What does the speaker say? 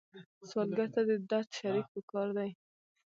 سوالګر ته د درد شریک پکار دی